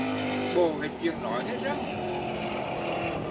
Bộ hết chuyện nói hay răng?